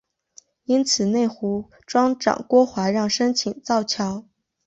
因此内湖庄长郭华让申请造桥。